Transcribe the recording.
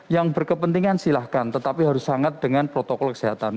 yang berkepentingan silahkan tetapi harus sangat dengan protokol kesehatan